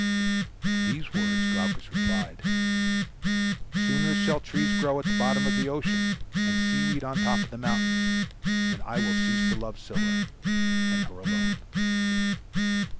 To these words Glaucus replied, "Sooner shall trees grow at the bottom of the ocean, and sea weed on the top of the mountains, than I will cease to love Scylla, and her alone."